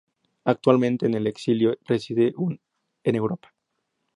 Actualmente en el exilio reside en Europa.